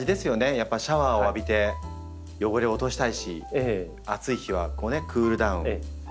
やっぱりシャワーを浴びて汚れを落としたいし暑い日はクールダウンしたいですもんね。